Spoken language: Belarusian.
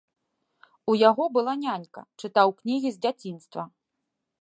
У яго была нянька, чытаў кнігі з дзяцінства.